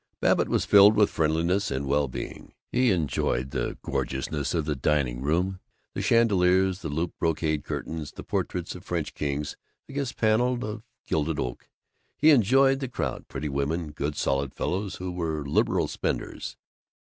Babbitt was filled with friendliness and well being. He enjoyed the gorgeousness of the dining room: the chandeliers, the looped brocade curtains, the portraits of French kings against panels of gilded oak. He enjoyed the crowd: pretty women, good solid fellows who were "liberal spenders."